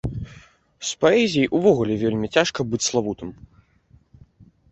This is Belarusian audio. З паэзіяй увогуле вельмі цяжка быць славутым.